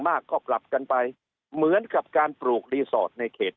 มากก็ปรับกันไปเหมือนกับการปลูกรีสอร์ทในเขต